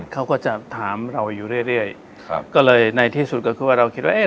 เขาก็จะถามเราอยู่เรื่อยเรื่อยครับก็เลยในที่สุดก็คือว่าเราคิดว่าเอ๊ะ